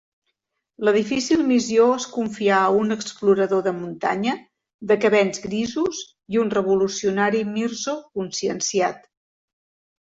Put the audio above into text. La difícil missió es confia a un explorador de muntanya de cabells grisos i un revolucionari Mirzo conscienciat.